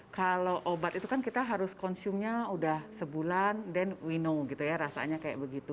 kalau obat itu kan kita harus konsiumnya udah sebulan dan wino gitu ya rasanya kayak begitu